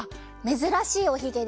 めずらしいおひげケロ。